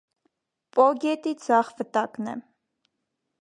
Պո գետի ձախ վտակն է։